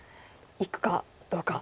いくかどうか。